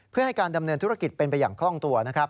เพื่อให้การดำเนินธุรกิจเป็นไปอย่างคล่องตัวนะครับ